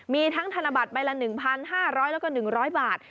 มีทั้งธนบัตรใบละ๑๕๐๐แล้วก็๑๐๐บาท